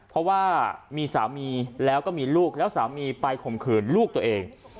เพราะว่ามีสามีแล้วก็มีลูกแล้วสามีไปข่มขืนลูกตัวเอง